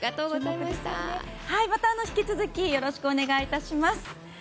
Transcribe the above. また引き続きよろしくお願いします。